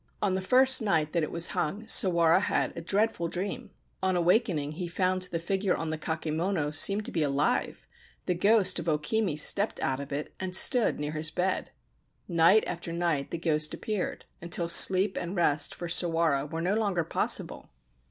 On the first night that it was hung Sawara had a dreadful dream. On awakening he found the figure on the kakemono seemed to be alive : the ghost of O Kimi stepped out of it and stood near his bed. Night after night the ghost appeared, until sleep and rest for Sawara were no longer possible.